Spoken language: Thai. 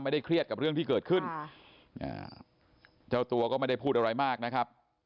เครียดกับเรื่องที่เกิดขึ้นเจ้าตัวก็ไม่ได้พูดอะไรมากนะครับ